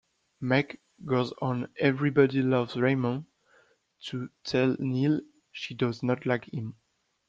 Meg goes on "Everybody Loves Raymond" to tell Neil she does not like him.